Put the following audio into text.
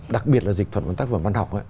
đặc biệt là dịch thuật của tác phẩm văn học